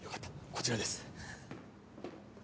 こちらです。